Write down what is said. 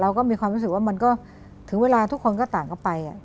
เราก็มีความรู้สึกว่ามันก็ถึงเวลาทุกคนก็ต่างก็ไป